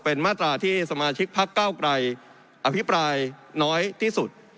เป็นมาตราที่สมาชิกพักเก้าไกรอภิปรายน้อยที่สุด